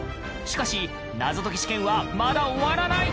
しかし謎解き試験はまだ終わらない。